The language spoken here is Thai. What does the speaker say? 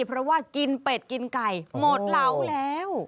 เพราะว่ากินเป็ดกินไก่หมดเหลาแล้ว